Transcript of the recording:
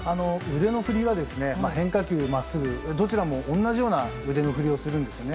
腕の振りは変化球真っすぐどちらも同じような腕の振りをするんですよね。